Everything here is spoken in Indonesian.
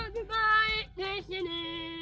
nabi baik di sini